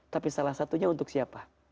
tapi salah satunya untuk siapa